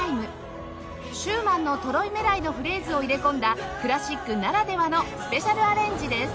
シューマンの『トロイメライ』のフレーズを入れ込んだクラシックならではのスペシャルアレンジです